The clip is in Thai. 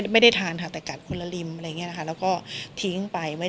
ไม่ได้ทานแต่กัดคนละริมแล้วก็ทิ้งไป